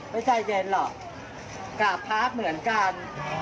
ไม่ใจเย็นหรอกกราบพระเหมือนกัน